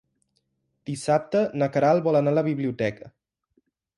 Dissabte na Queralt vol anar a la biblioteca.